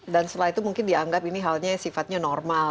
dan setelah itu mungkin dianggap ini halnya sifatnya normal